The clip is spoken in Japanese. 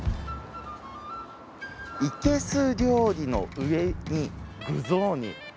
「いけす料理」の上に「具雑煮」。